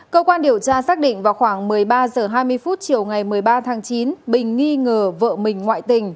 cơ quan điều tra xác định vào khoảng một mươi ba h hai mươi phút chiều ngày một mươi ba tháng chín bình nghi ngờ vợ mình ngoại tình